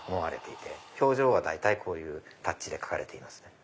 表情は大体こういうタッチで描かれています。